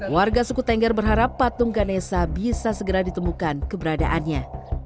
warga suku tengger berharap patung ganesa bisa segera ditemukan keberadaannya